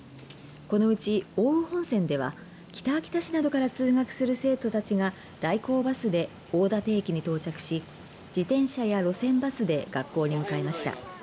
このうち、奥羽本線では北秋田市などから通学する通学する生徒たちが代行バスが大館市に到着し自転車や路線バスで学校に向かいました。